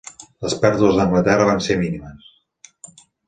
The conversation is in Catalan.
Les pèrdues d'Anglaterra van ser mínimes.